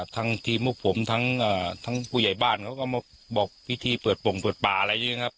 ทั้งทีมพวกผมทั้งผู้ใหญ่บ้านเขาก็มาบอกพิธีเปิดปงเปิดป่าอะไรอย่างนี้นะครับ